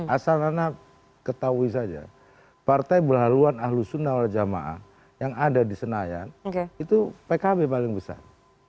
asalana ketahui saja partai berhaluan ahlus sunnah wal jamaah yang ada di senayan itu pkb paling besar